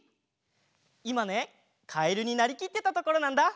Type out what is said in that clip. いまねかえるになりきってたところなんだ。